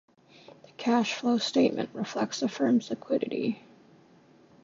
The cash flow statement reflects a firm's liquidity.